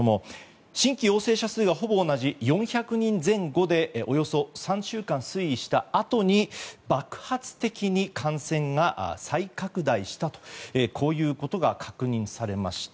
新規陽性者数がほぼ同じ４００人前後でおよそ３週間、推移したあとに爆発的に感染が再拡大したとこういうことが確認されました。